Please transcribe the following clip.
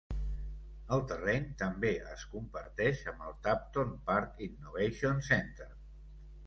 El terreny també es comparteix amb el Tapton Park Innovation Centre.